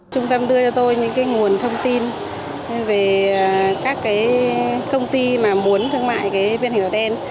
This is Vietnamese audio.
trung tâm đưa cho tôi những nguồn thông tin về các công ty mà muốn thương mại viên hình đen